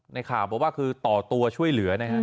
ข่าวบอกว่าคือต่อตัวช่วยเหลือนะฮะ